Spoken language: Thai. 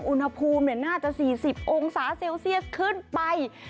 อุณหภูมิน่าจะ๔๐องศาเซลเซียสขึ้นไป